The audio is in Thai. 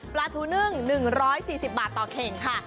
ปลาทูนึ่ง๑๔๐บาทต่อเข่งค่ะ